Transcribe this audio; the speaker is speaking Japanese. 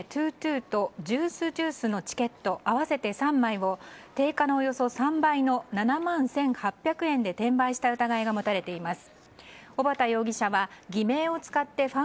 ’２２とＪｕｉｃｅ＝Ｊｕｉｃｅのチケット合わせて３枚を定価のおよそ３倍の７万１８００円で転売した疑いが持たれています。